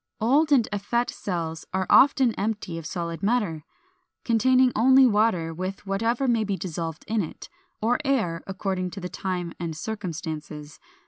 Old and effete cells are often empty of solid matter, containing only water with whatever may be dissolved in it, or air, according to the time and circumstances.